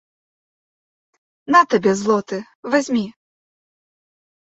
На табе злоты, вазьмі.